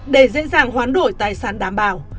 để dễ dàng hoán đổi tài sản đảm bảo